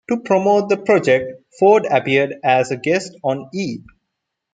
To promote the project, Ford appeared as a guest on E!